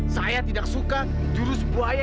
saya tidak suka jurus buaya